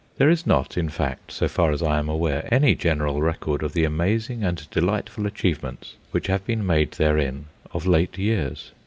There is not, in fact, so far as I am aware, any general record of the amazing and delightful achievements which have been made therein of late years.